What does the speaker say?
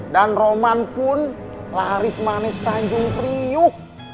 dan roman pun laris manis tanjung kriuk